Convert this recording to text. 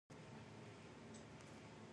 Type design is performed by a type designer.